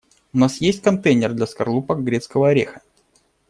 У нас есть контейнер для скорлупок грецкого ореха?